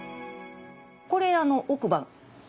これ奥歯。